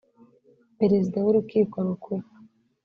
perezida w’urukiko rukuru